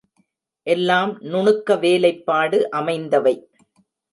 எல்லாம் நுணுக்க வேலைப்பாடு அமைந்தவை.